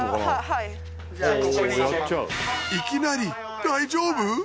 いきなり大丈夫？